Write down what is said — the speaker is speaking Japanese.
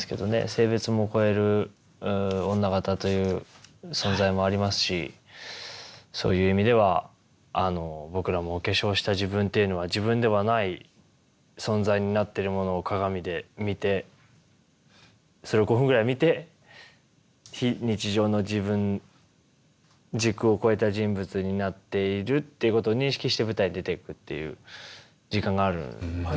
性別も超える女形という存在もありますしそういう意味では僕らもお化粧した自分っていうのは自分ではない存在になってるものを鏡で見てそれを５分ぐらい見て非日常の自分時空を超えた人物になっているっていうことを認識して舞台に出ていくっていう時間があるんですよね。